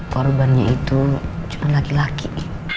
korbannya itu cuma laki laki